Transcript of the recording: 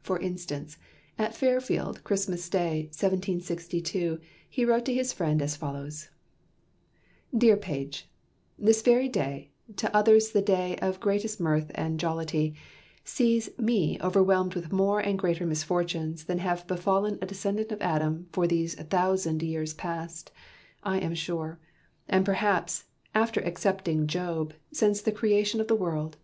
For instance, at Fairfield, Christmas day, 1762, he wrote to his friend as follows: "DEAR PAGE "This very day, to others the day of greatest mirth and jolity, sees me overwhelmed with more and greater misfortunes than have befallen a descendant of Adam for these thousand years past, I am sure; and perhaps, after excepting Job, since the creation of the world.